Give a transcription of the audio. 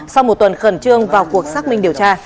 sau một tuần khẩn trương vào cuộc xác minh điều tra